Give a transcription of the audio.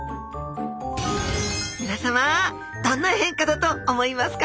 皆さまどんな変化だと思いますか？